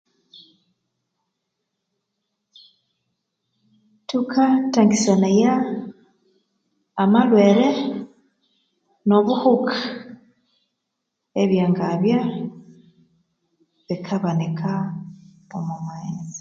Thukathangisanaya amalhwere nobuhuka ebyangabya bikabanika omomaghetse